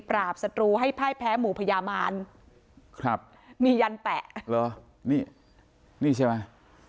ศัตรูให้พ่ายแพ้หมู่พญามารครับมียันแปะเหรอนี่นี่ใช่ไหม